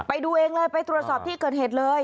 ไปดูเองเลยไปตรวจสอบที่เกิดเหตุเลย